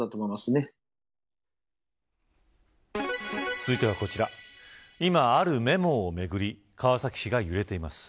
続いてはこちら今、あるメモをめぐり川崎市が揺れています。